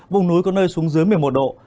vùng núi có nơi xuống dưới một mươi một độ